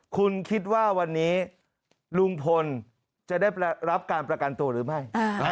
คุณคิดว่าวันนี้ลุงพลจะได้รับการประกันตัวหรือไม่